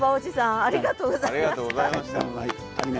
ありがとうございます。